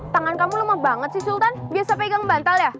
tangan kamu lemah banget sih sultan biasa pegang bantal ya